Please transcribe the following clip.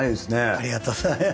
ありがとうございます。